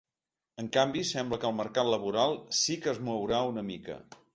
En canvi, sembla que el mercat laboral sí que es mourà una mica.